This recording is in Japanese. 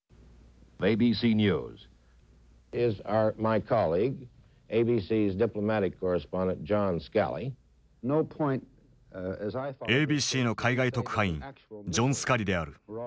ＡＢＣの海外特派員ジョン・スカリである。